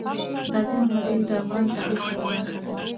غازي محمد ايوب د افغان تاريخ يوه برخه ده